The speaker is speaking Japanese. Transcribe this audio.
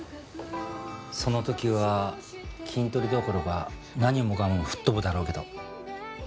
その時はキントリどころか何もかも吹っ飛ぶだろうけど。